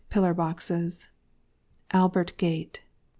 PILLAR BOXES. Albert gate.